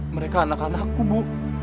mereka anak anakku bu